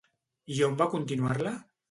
I on va continuar-la?